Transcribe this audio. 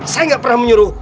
saya nggak pernah menyuruh